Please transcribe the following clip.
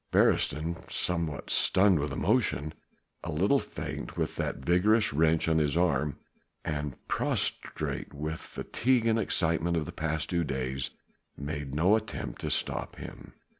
Beresteyn somewhat stunned with emotion, a little faint with that vigorous wrench on his arm, and prostrate with the fatigue and excitement of the past two days made no attempt to stop him.